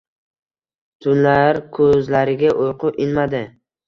Tunlar ko‘zlariga uyqu inmadi